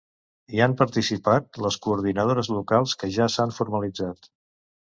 Hi han participat les coordinadores locals que ja s’han formalitzat.